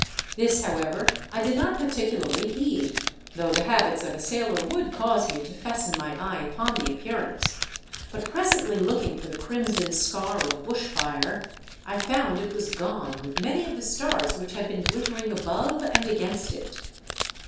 This however I did not particu larly heed, though the habits of a sailor would cause me to fasten my eye upon the appearance ; but presently looking for the crimson scar of bush fire, I found it was gone with many of the stars which had been glit tering above and against it.